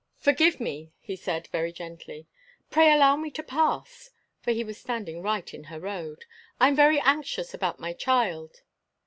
"Forgive me," he said, very gently. "Pray allow me to pass!" for he was standing right in her road. "I am very anxious about my child."